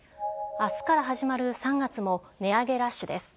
あすから始まる３月も、値上げラッシュです。